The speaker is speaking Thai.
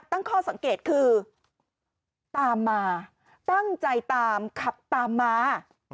ตั้งข้อสังเกตคือตามมาตั้งใจตามขับตามมา